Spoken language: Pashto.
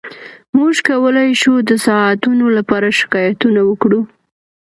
موږ کولی شو د ساعتونو لپاره شکایتونه وکړو